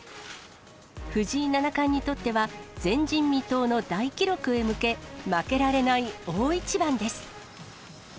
藤井七冠にとっては、前人未到の大記録へ向け、負けられない大一番です。